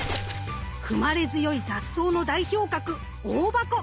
踏まれ強い雑草の代表格オオバコ。